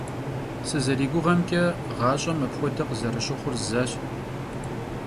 Sızeriguğemç'e, ğaş'em apxuede khızerışıxhur zeş.